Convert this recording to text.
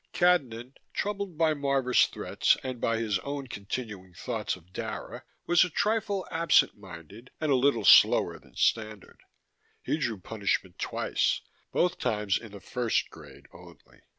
Cadnan, troubled by Marvor's threats and by his own continuing thoughts of Dara, was a trifle absent minded and a little slower than standard. He drew punishment twice, both times in the first grade only.